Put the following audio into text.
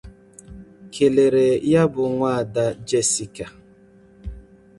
kèlèrè ya bụ Nwaada Jessica